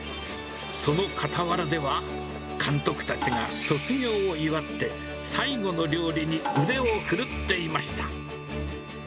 その傍らでは、監督たちが卒業を祝って、最後の料理に腕を振るっていました。